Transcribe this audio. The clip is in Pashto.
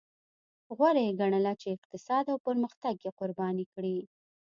غوره یې ګڼله چې اقتصاد او پرمختګ یې قرباني کړي.